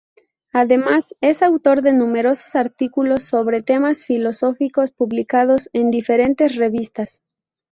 Además, es autor de numerosos artículos sobre temas filosóficos publicados en diferentes revistas.